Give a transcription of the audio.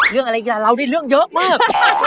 เรื่องอะไรกับเรานี่เรื่องเยอะมาก